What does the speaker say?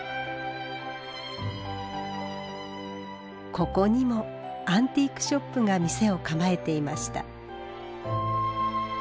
ここにもアンティークショップが店を構えていました。